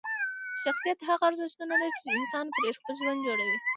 شخصیت هغه ارزښتونه لري چې انسان پرې خپل ژوند جوړوي.